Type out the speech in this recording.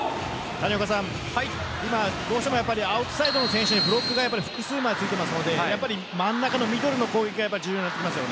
どうしてもアウトサイドの選手にブロックガードが複数ついているので真ん中のミドルの攻撃が重要になります。